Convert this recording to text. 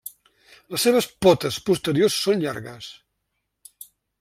Les seves potes posteriors són llargues.